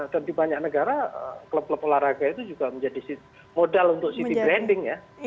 dan di banyak negara klub klub olahraga itu juga menjadi modal untuk city branding ya